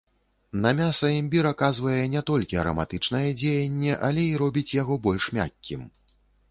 На мяса імбір аказвае не толькі араматычнае дзеянне, але і робіць яго больш мяккім.